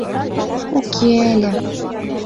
— Уке ыле.